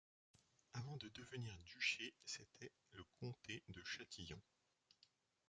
Avant de devenir duché, c'était le comté de Châtillon.